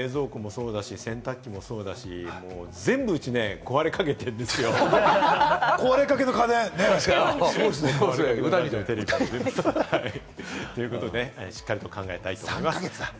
冷蔵庫もそうだし、洗濯機もそうだし、うちは全部、今、壊れかけてるんですよ。ということで、しっかりと考えたいと思います。